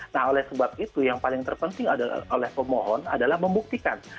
nah oleh sebab itu yang paling terpenting oleh pemohon adalah membuktikan